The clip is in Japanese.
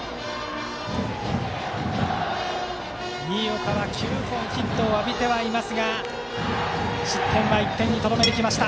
新岡は９本ヒットを浴びていますが失点は１点にとどめてきました。